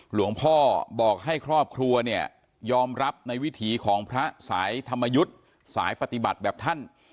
หลวงพ่อบอกให้ครอบครัวเนี่ยยอมรับในวิถีของพระสายธรรมยุทธ์สายปฏิบัติแบบท่าน